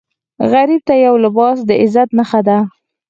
غریب ته یو لباس د عزت نښه ده